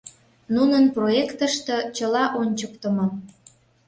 Нунын проектыште чыла ончыктымо.